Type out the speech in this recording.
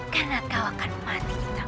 karena kau akan mati di tanganku